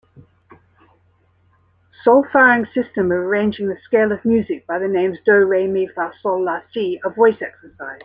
Solfaing system of arranging the scale of music by the names do, re, mi, fa, sol, la, si a voice exercise.